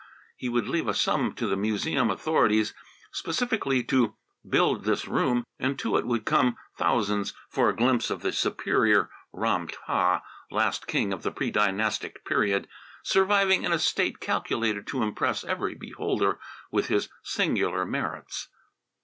He would leave a sum to the museum authorities, specifically to build this room, and to it would come thousands, for a glimpse of the superior Ram tah, last king of the pre dynastic period, surviving in a state calculated to impress every beholder with his singular merits.